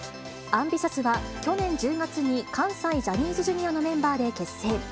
アンビシャスは去年１０月に関西ジャニーズＪｒ．のメンバーで結成。